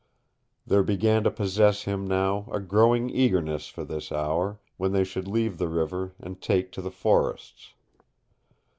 There began to possess him now a growing eagerness for this hour, when they should leave the river and take to the forests.